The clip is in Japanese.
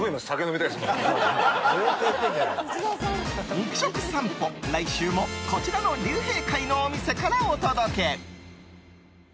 肉食さんぽ来週もこちらの竜兵会のお店からお届け。